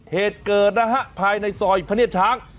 เหตุเกิดนะฮะภายในซอยพระเนียดช้าง